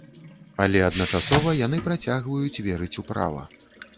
Але адначасова яны працягваюць верыць у права.